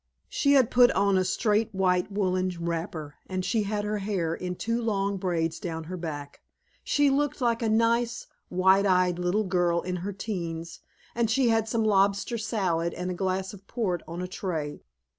She had put on a straight white woolen wrapper, and she had her hair in two long braids down her back. She looked like a nice, wide eyed little girl in her teens, and she had some lobster salad and a glass of port on a tray.